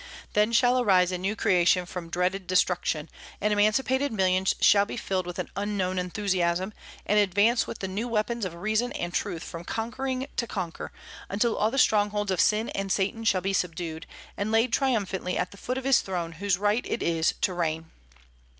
Then shall arise a new creation from dreaded destruction, and emancipated millions shall be filled with an unknown enthusiasm, and advance with the new weapons of reason and truth from conquering to conquer, until all the strongholds of sin and Satan shall be subdued, and laid triumphantly at the foot of His throne whose right it is to reign."